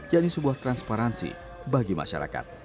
jadi sebuah transparansi bagi masyarakat